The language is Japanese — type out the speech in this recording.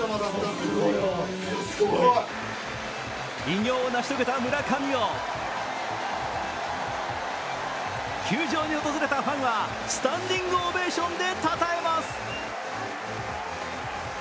偉業を成し遂げた村上を球場に訪れたファンはスタンディングオベーションでたたえます。